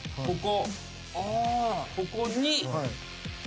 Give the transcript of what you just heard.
ここに。